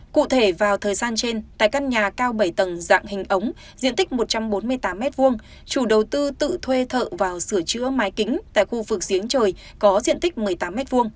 cụ thể vào thời gian trên tại căn nhà cao bảy tầng dạng hình ống diện tích một trăm bốn mươi tám m hai chủ đầu tư tự thuê thợ vào sửa chữa máy kính tại khu vực giếng trời có diện tích một mươi tám m hai